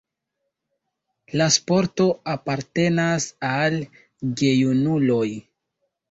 La sporto apartenas al gejunuloj.